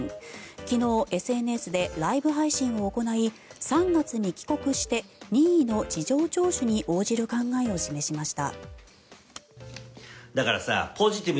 昨日、ＳＮＳでライブ配信を行い３月に帰国して任意の事情聴取に応じる考えを示しました。